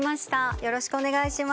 よろしくお願いします。